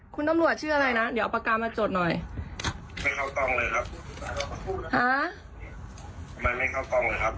คุณตำรวจชื่ออะไรน่ะเดี๋ยวเอาประกาศมาจดหน่อยไม่เข้าต้องเลยครับฮะ